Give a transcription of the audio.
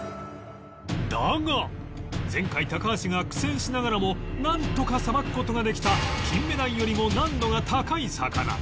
だが前回高橋が苦戦しながらもなんとかさばく事ができたキンメダイよりも難度が高い魚